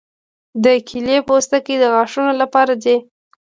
د کیلې پوستکي د غاښونو لپاره دي.